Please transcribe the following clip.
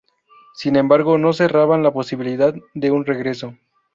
Sin embargo, no cerraban la posibilidad de un regreso.